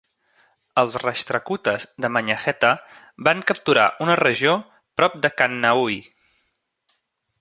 Els Rashtrakutas de Manyakheta van capturar una regió prop de Kannauj.